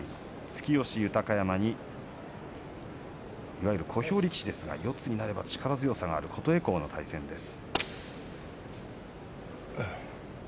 突き押しの豊山にいわゆる小兵力士の四つになれば力強さがある琴恵光との対戦です。